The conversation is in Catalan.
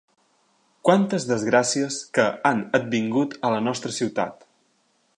Quantes desgràcies que han advingut a la nostra ciutat!